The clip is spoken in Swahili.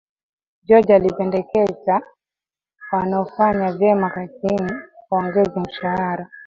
George alipendekeza wanaofanya vyema kazini waongezwe mshahara